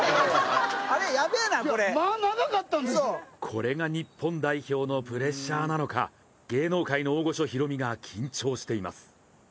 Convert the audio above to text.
これが日本代表のプレッシャーなのか芸能界の大御所・ヒロミが緊張しています。